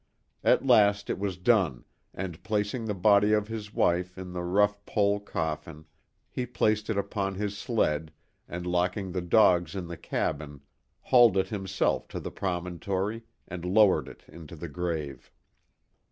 At last it was done and placing the body of his wife in the rough pole coffin, he placed it upon his sled and locking the dogs in the cabin, hauled it himself to the promontory and lowered it into the grave.